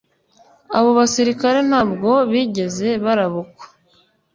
Abo basirikare ntabwo bigeze barabukwa